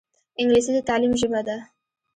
انګلیسي د تعلیم ژبه ده